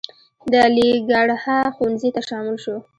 د علیګړهه ښوونځي ته شامل شو.